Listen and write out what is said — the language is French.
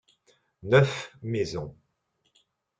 Neuf maisons.